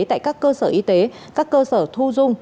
tại các cơ sở y tế các cơ sở thu dung